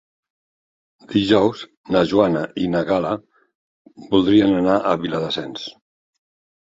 Dijous na Joana i na Gal·la voldrien anar a Viladasens.